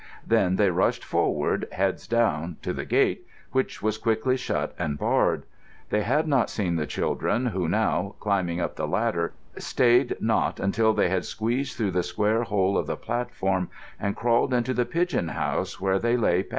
Then they rushed forward, heads down, to the gate, which was quickly shut and barred. They had not seen the children, who now, climbing up the ladder, stayed not until they had squeezed through the square hole of the platform and crawled into the pigeon house, where they lay panting.